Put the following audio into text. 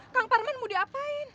kang parman mau diapain